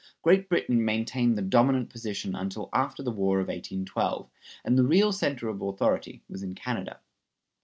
Great Britain maintained the dominant position until after the War of 1812, and the real center of authority was in Canada.